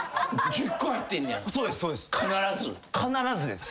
必ずです。